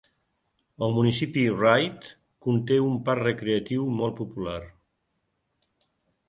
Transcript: El municipi Wright conté un parc recreatiu molt popular.